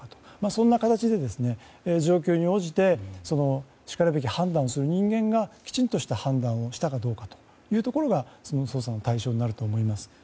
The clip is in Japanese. そんな形で状況に応じてしかるべき判断をする人間がきちんとした判断をしたかどうかというのが捜査の対象になると思います。